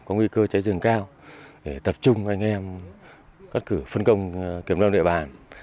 có nguy cơ cháy rừng cao để tập trung với anh em phân công kiểm tra địa bàn